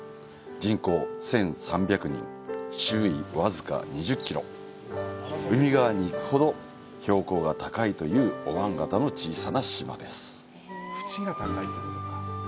人口１３００人、周囲僅か２０キロ、海側に行くほど標高が高いというおわん型の小さな島です。